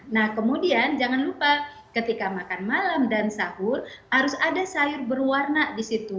nah kemudian jangan lupa ketika makan malam dan sahur harus ada sayur berwarna di situ